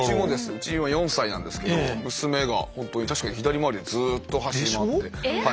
うちは４歳なんですけど娘が本当に確かに左回りでずっと走り回ってはい。でしょう？え